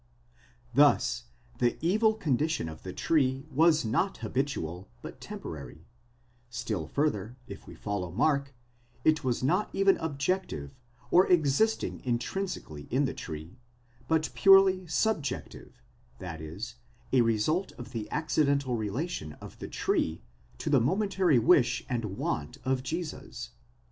Thus the evil condition of the tree was not habitual but temporary ; still further, if we follow Mark, it was not even objective, or existing intrinsically in the tree, but purely subjective, that is,a result of the accidental relation of the tree to the momentary wish and want of Jesus.